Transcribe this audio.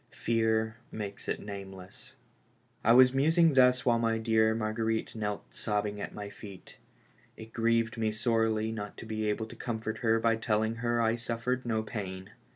Fear makes it nameless. I was musing thus while my dear Marguerite knelt sobbing at my feet. It grieved me sorely not to be able to comfort her by telling her that I suffered no pain.